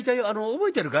覚えてるかい？